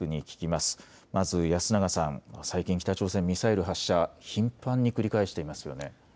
まず安永さん、最近北朝鮮、ミサイル発射頻繁に繰り返していますよね。